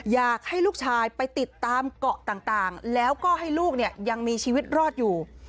อยากให้ลูกชายไปติดตามเกาะต่างแล้วก็ให้ลูกเนี่ยยังมีชีวิตรอดอยู่